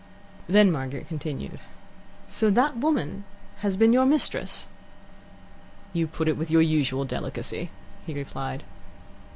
Then Margaret continued: "So that woman has been your mistress?" "You put it with your usual delicacy," he replied.